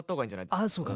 ああそうか。